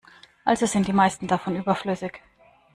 Also sind die meisten davon überflüssig.